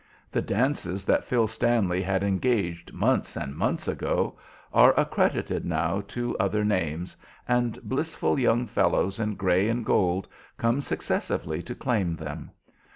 The dances that Phil Stanley had engaged months and months ago are accredited now to other names, and blissful young fellows in gray and gold come successively to claim them.